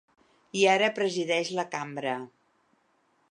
I ara presideix la cambra.